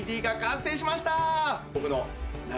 僕の。